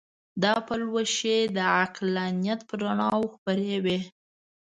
دا پلوشې د عقلانیت پر رڼاوو خپرې وې.